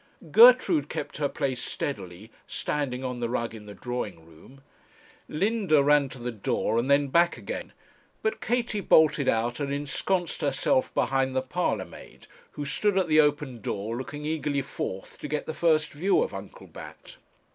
Gertrude kept her place steadily standing on the rug in the drawing room; Linda ran to the door and then back again; but Katie bolted out and ensconced herself behind the parlour maid, who stood at the open door, looking eagerly forth to get the first view of Uncle Bat.